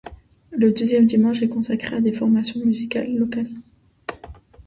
Le deuxième dimanche est consacré à des formations musicales locales.